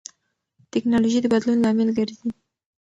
ټیکنالوژي د بدلون لامل ګرځي.